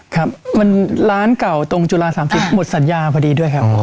ครับมันร้านเก่าตรงจุฬา๓๐หมดสัญญาพอดีด้วยครับ